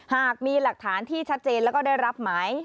หากมีหลักฐานที่ชัดเจนแล้วก็ได้รับหมาย